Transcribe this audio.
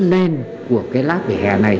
lên của cái lát vỉa hè này